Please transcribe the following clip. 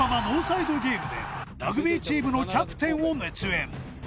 「ノーサイド・ゲーム」でラグビーチームのキャプテンを熱演